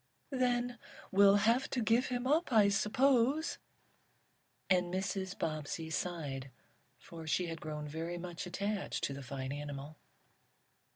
"Then we'll have to give him up I suppose," and Mrs. Bobbsey sighed, for she had grown very much attached to the fine animal.